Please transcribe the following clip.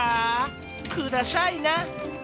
くださいな。